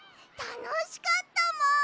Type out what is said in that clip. たのしかったもん。